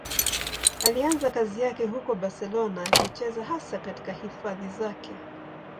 Alianza kazi yake huko Barcelona, akicheza hasa katika hifadhi zake.